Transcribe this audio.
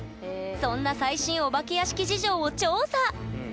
そんな最新お化け屋敷事情を調査！